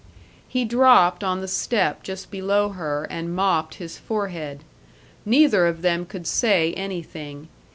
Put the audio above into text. He dropped on the step just below her and mopped his forehead. Neither of them could say anything.